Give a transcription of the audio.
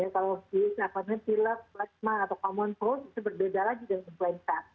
kalau di silat plasma atau common cold itu berbeda lagi dengan influenza